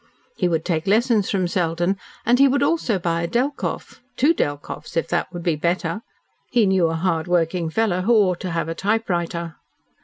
He would take lessons from Selden, and he would also buy a Delkoff two Delkoffs, if that would be better. He knew a hard working fellow who ought to have a typewriter.